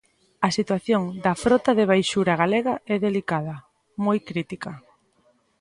A situación da frota de baixura galega é delicada, moi crítica.